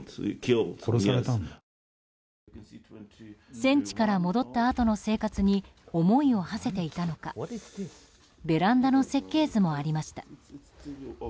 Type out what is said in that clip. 戦地から戻ったあとの生活に思いを馳せていたのかベランダの設計図もありました。